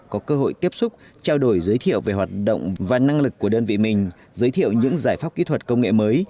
có cơ hội tiếp xúc trao đổi giới thiệu về hoạt động và năng lực của đơn vị mình giới thiệu những giải pháp kỹ thuật công nghệ mới